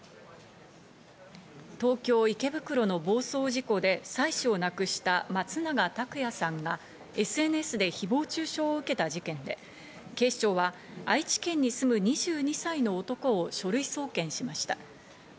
東京・池袋の暴走事故で妻子を亡くした松永拓也さんがＳＮＳで誹謗中傷を受けた事件で、警視庁は愛知県に住む２２歳の男を書類送検しました。